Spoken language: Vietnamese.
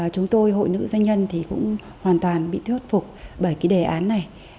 chúng tôi hội nữ doanh nhân thì cũng hoàn toàn bị thuyết phục bởi cái đề án này